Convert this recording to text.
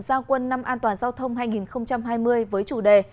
giao quân năm an toàn giao thông hai nghìn hai mươi với chủ đề